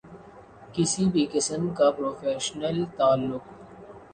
کسی بھی قسم کا پروفیشنل تعلق